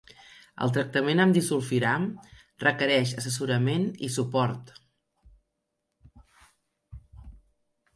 El tractament amb disulfiram requereix assessorament i suport.